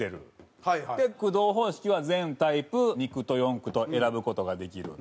駆動方式は全タイプ二駆と四駆と選ぶ事ができる。